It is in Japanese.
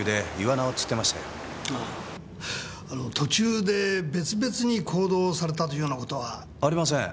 あの途中で別々に行動されたというようなことは？ありません。